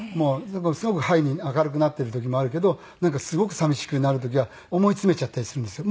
すごくハイに明るくなってる時もあるけどなんかすごくさみしくなる時は思い詰めちゃったりするんですよ。